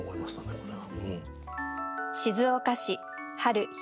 これは。